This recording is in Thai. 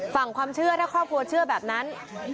ฝั่งความเชื่อถ้าครอบครัวเชื่อแบบนั้น